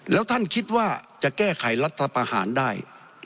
แล้วท่านคิดว่าจะแก้ไขรัฐประหารได้